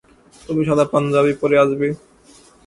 তুমি সাদা পাঞ্জাবি পরে আসবে।